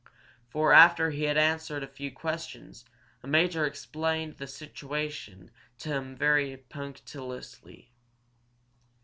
For after he had answered a few questions, a major explained the situation to him very punctiliously.